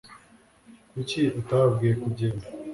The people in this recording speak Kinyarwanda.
kuki utababwiye kugenda